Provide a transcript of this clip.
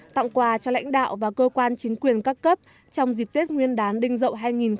tặng quà cho lãnh đạo và cơ quan chính quyền các cấp trong dịp tết nguyên đán đinh dậu hai nghìn hai mươi bốn